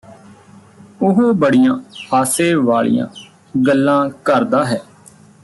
ਉਹ ਬੜੀਆਂ ਹਾਸੇ ਵਾਲੀਆਂ ਗੱਲਾਂ ਕਰਦਾ ਹੈ